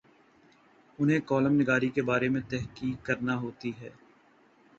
انہیں کالم نگاری کے بارے میں تحقیق کرنا ہوتی ہے۔